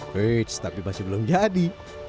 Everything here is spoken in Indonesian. which tapi masih belum jadi